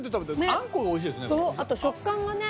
あんこがおいしいですね。